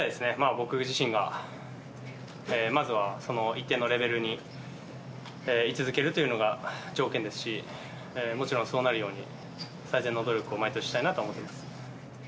僕自身がまずは一定のレベルに居続けるというのが条件ですし、もちろん、そうなるように、最善の努力を毎年したいなと思っています。